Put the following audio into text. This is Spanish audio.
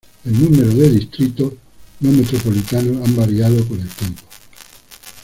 El número de distritos no metropolitanos ha variado con el tiempo.